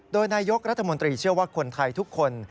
โดยนายกรัฐมนตรีเชื่อว่าคนไทยทุกคน